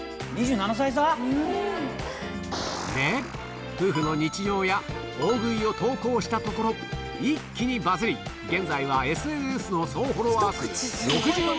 で、夫婦の日常や大食いを投稿したところ、一気にバズり、現在はＳＮＳの総フォロワー数６０万